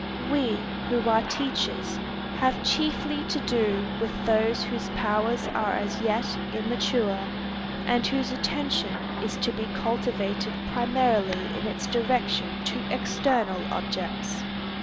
We, who are teachers, have chiefly to do with those whose powers are as yet immature, and whose attention is to be cultivated primarily in its direction to external objects.